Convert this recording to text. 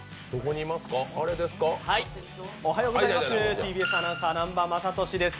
ＴＢＳアナウンサー・南波雅俊です。